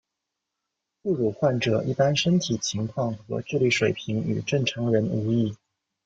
副乳患者一般身体情况和智力水平与正常人无异。